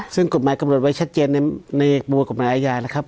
ซึ่งกฎหมายกำหนดไว้ชัดเจนในบวกกฎหมายอาญานะครับ